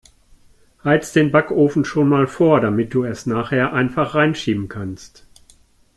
Heiz' den Backofen schon mal vor, damit du es nachher einfach 'reinschieben kannst.